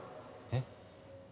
えっ。